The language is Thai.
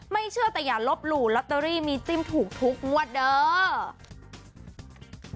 เชื่อแต่อย่าลบหลู่ลอตเตอรี่มีจิ้มถูกทุกงวดเด้อ